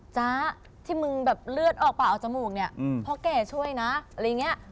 จ๊ะที่มึงเลือดออกปากออกจมูกพอแกช่วยนะ